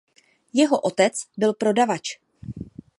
Jeho otec byl prodavač.